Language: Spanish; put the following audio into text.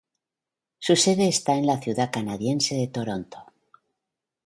Su sede está en la ciudad canadiense de Toronto.